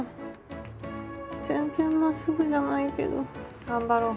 全然まっすぐじゃないけど頑張ろう。